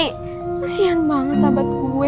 kesian banget sahabat gue